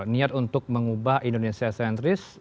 niat untuk mengubah indonesia sentris